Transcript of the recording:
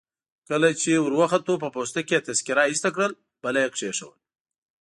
کله چي وروختو په پوسته کي يې تذکیره ایسته کړل، بله يي کښېښول.